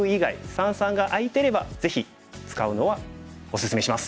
三々が空いてればぜひ使うのはおすすめします。